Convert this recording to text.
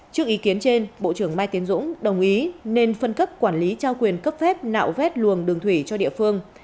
trước ý kiến trên bộ trưởng mai tiến dũng đồng ý nên phân cấp quản lý giao quyền cấp phép nạo vét luồng cho các địa phương